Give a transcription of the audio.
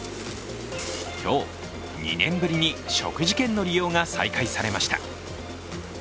今日、２年ぶりに食事券の利用が再開されました。